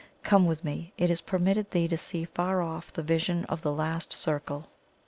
Come with me; it is permitted thee to see far off the vision of the Last Circle."